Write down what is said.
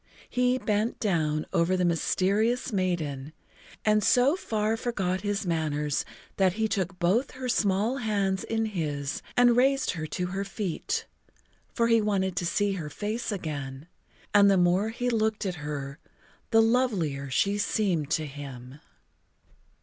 He bent down over the mysterious maiden[Pg 25] and so far forgot his manners that he took both her small hands in his and raised her to her feet, for he wanted to see her face again, and the more he looked at her the lovelier she seemed to him.